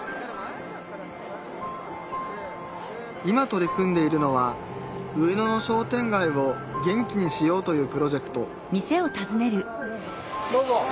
今取り組んでいるのは上野の商店街を元気にしようというプロジェクトどうぞ。